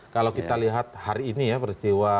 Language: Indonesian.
kalau kita lihat hari ini ya peristiwa